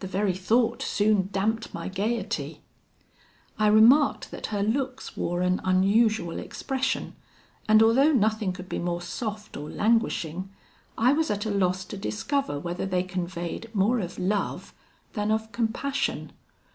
The very thought soon damped my gaiety. I remarked that her looks wore an unusual expression, and although nothing could be more soft or languishing, I was at a loss to discover whether they conveyed more of love than of compassion.